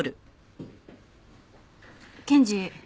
検事。